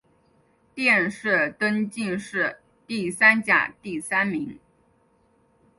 殿试登进士第三甲第三名。